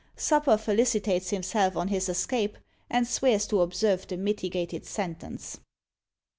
Supper felicitates himself on his escape, and swears to observe the mitigated sentence.